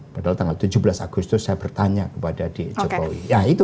padahal tanggal tujuh belas agustus saya bertanya kepada jokowi